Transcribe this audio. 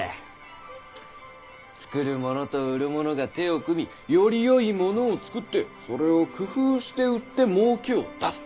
作る者と売る者が手を組みよりよいものを作ってそれを工夫して売ってもうけを出す。